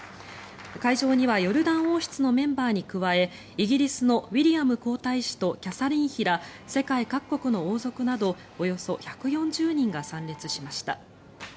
海上にはヨルダン王室のメンバーに加えイギリスのウィリアム皇太子とキャサリン妃ら世界各国の王族などおよそ１４０人が参列しました。